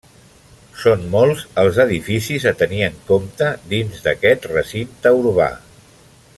Són molts els edificis a tenir en compte dins d'aquest recinte urbà.